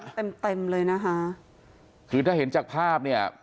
เต็มเต็มเลยนะคะคือถ้าเห็นจากภาพเนี่ย